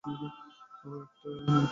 ওহ, এটা তারই বাড়ি।